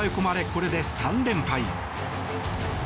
これで３連敗。